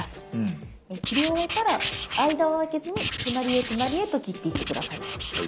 切り終えたら間をあけずに隣へ隣へと切っていって下さい。